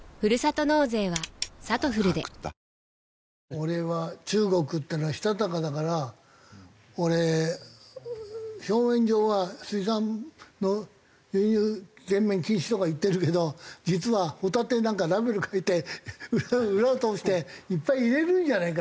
俺は中国っていうのはしたたかだから俺表面上は水産の輸入全面禁止とか言ってるけど実はホタテなんかラベル替えて裏を通していっぱい入れるんじゃないか。